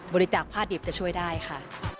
บริจาคผ้าดิบจะช่วยได้ค่ะ